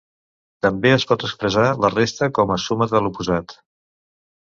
També es pot expressar la resta com a suma de l'oposat.